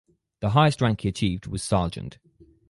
The highest rank he achieved was sergeant.